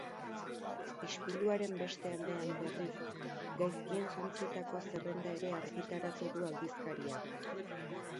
Ispiluaren beste aldean, berriz, gaizkien jantzitako zerrenda ere argitaratu du aldizkariak.